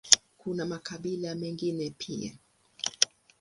Kuna makabila mengine pia.